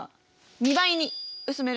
２倍に薄める。